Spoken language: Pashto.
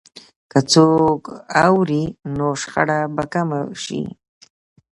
که څوک اوري، نو شخړه به کمه شي.